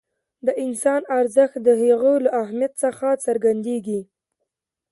د انسان ارزښت د هغه له اهمیت څخه څرګندېږي.